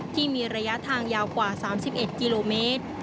ที่มีระยะทางยาวกว่า๓๑กิโลเมตร